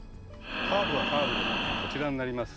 ハーブはハーブでもこちらになります。